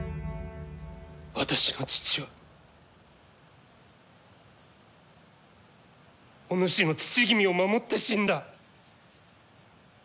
私の父はお主の父君を守って死んだ。